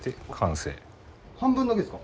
半分だけですか？